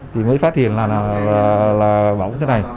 thì mới phát hiện là bỏng thế này